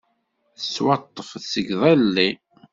Tettwaṭṭef seg iḍelli.